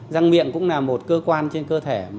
răng miệng cũng là một cơ quan trên cơ thể